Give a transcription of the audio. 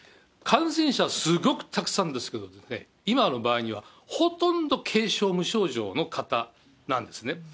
感染者すごくたくさんですけれども、今の場合にはほとんど軽症、無症状の方なんですね。